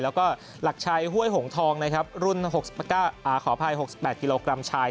แล้วก็หลักชัยห้วยหงทองนะครับรุ่นขออภัย๖๘กิโลกรัมชาย